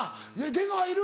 出川いる？